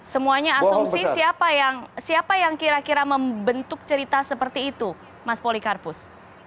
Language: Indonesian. semuanya asumsi siapa yang kira kira membentuk cerita seperti itu mas polikarpus